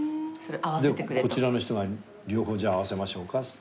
でこちらの人が両方じゃあ合わせましょうかっつって。